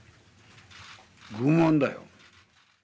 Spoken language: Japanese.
愚問だよ。